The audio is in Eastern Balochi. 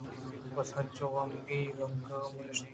بس انچو غمیگ غمیگءَنِشتاں